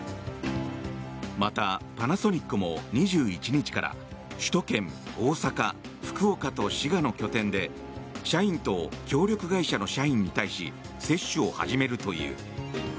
また、パナソニックも２１日から首都圏、大阪福岡と滋賀の拠点で社員と協力会社の社員に対し接種を始めるという。